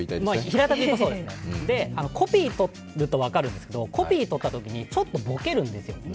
平たく言えばそうですね、コピーとると分かるんですけどコピーとったときにちょっとボケるんですよ。